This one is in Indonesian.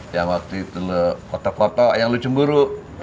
yang waktu itu lo kotak kotak yang lo cemburu